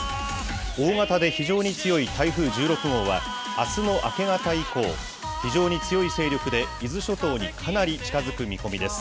大型で非常に強い台風１６号は、あすの明け方以降、非常に強い勢力で、伊豆諸島にかなり近づく見込みです。